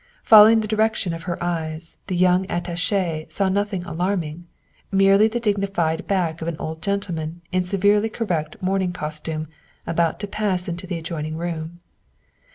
Following the direction of her eyes, the young At tache saw nothing alarming merely the dignified back of an old gentleman in severely correct morning costume about to pass into the adjoining room.